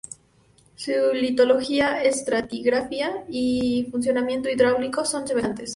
Su litología, estratigrafía y funcionamiento hidráulico son semejantes.